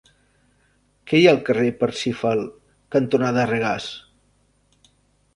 Què hi ha al carrer Parsifal cantonada Regàs?